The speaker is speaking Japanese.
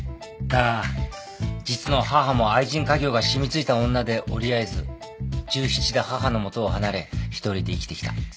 だが実の母も愛人稼業が染みついた女で折り合えず１７で母の元を離れ一人で生きてきた。